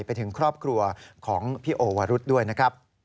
ไปถึงครอบครัวของพี่โอวรุษด้วยนะครับ